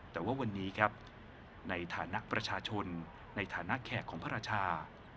แต่ว่าวันนี้ครับในฐานะประชาชนในฐานะแขกของพระราชา